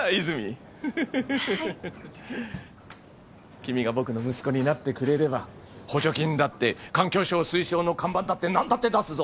君が僕の息子になってくれれば補助金だって環境省推奨の看板だって何だって出すぞ。